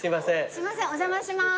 すいませんお邪魔します。